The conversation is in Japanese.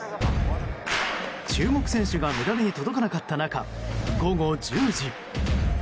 注目選手がメダルに届かなかった中午後１０時。